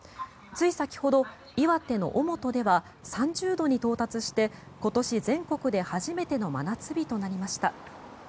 つい先ほど岩手の小本では３０度に到達して今年全国で初めての真夏日となりました。